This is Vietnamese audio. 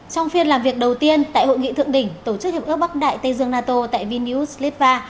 trong phiên làm việc đầu tiên tại hội nghị thượng đỉnh tổ chức hiệp ước bắc đại tây dương nato tại vinius litva